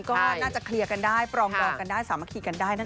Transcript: ก็น่าจะเคลียร์กันได้ปรองดองกันได้สามัคคีกันได้นะคะ